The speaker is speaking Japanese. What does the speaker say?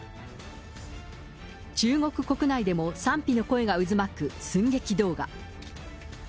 中国国内でも賛否の声が渦巻く寸劇動画。